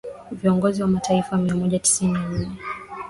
viongozi wa mataifa mia moja tisini na nne